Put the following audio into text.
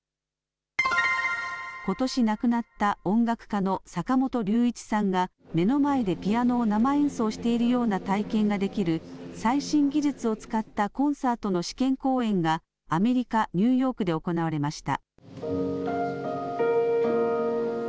ことし亡くなった音楽家の坂本龍一さんが目の前でピアノを生演奏しているような体験ができる最新技術を使ったコンサートの試験公演がアメリカニューヨークで行われました。